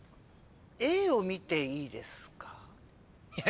Ａを見ていいですか？